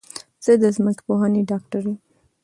زه د ځمکپوهنې ډاکټر یم